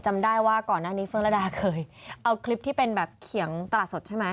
จำได้ว่าก่อนหน้านี้เฟืองระดาเคยเอาคลิปที่เป็นแบบเขียงตลาดสดใช่ไหม